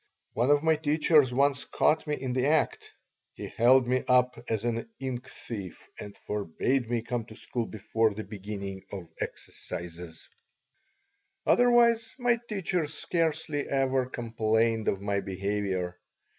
One of my teachers once caught me in the act. He held me up as an ink thief and forbade me come to school before the beginning of exercises Otherwise my teachers scarcely ever complained of my behavior.